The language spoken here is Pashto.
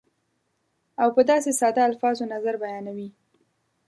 او په داسې ساده الفاظو نظر بیانوي